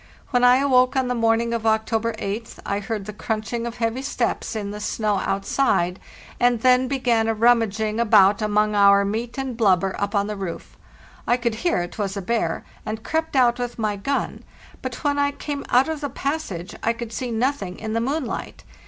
When I awoke on the morning of October 8th I heard the crunch ing of heavy steps in the snow outside, and then began a rummaging about among our meat and blubber up on the roof. I could hear it was a bear, and crept out with my gun; but when I came out of the passage I could sce nothing in the moonlight.